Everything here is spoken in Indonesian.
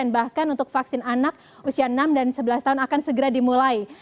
bahkan untuk vaksin anak usia enam dan sebelas tahun akan segera dimulai